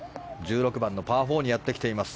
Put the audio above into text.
１６番のパー４にやってきています。